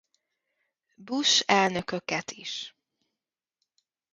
Bush elnököket is.